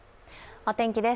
お天気です。